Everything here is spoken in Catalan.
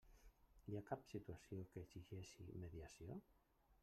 Hi ha cap situació que exigeixi mediació?